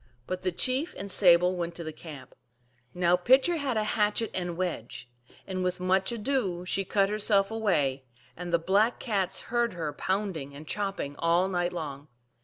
But the chief and Sable went to the camp. Now Pitcher had a hatchet and wedge, and with much ado she cut herself away, and the Black Cats heard her pounding and chopping all night long.